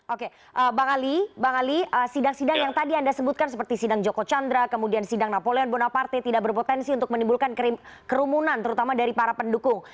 oke bang ali bang ali sidang sidang yang tadi anda sebutkan seperti sidang joko chandra kemudian sidang napoleon bonaparte tidak berpotensi untuk menimbulkan kerumunan terutama dari para pendukung